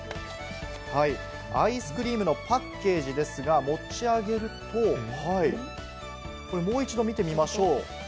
アイスクリームのパッケージですが、持ち上げるともう一度、見てみましょう。